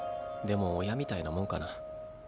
でも親みたいなもんかな。